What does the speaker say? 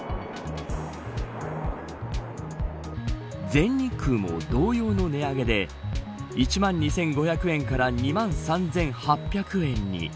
全日空も同様の値上げで１万２５００円から２万３８００円に。